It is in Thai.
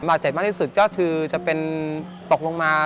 บาดเจ็บมากที่สุดก็คือจะเป็นตกลงมา